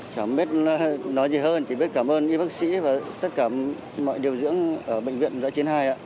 chẳng biết nói gì hơn chỉ biết cảm ơn y bác sĩ và tất cả mọi điều dưỡng ở bệnh viện giã chiến hai ạ